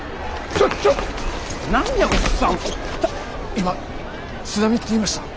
今津波って言いました？